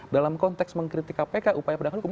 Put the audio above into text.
dalam konteks mengkritik kpk upaya perdagangan hukum